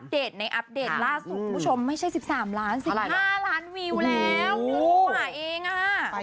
เดินเข้ามาเองอ่ะ